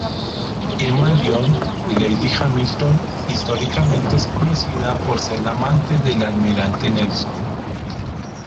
Emma Lyon, Lady Hamilton: Históricamente es conocida por ser la amante del Almirante Nelson.